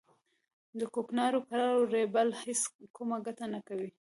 د کوکنارو کرل او رېبل هیڅ کومه ګټه نه کوي